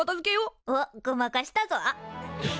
おっごまかしたぞ。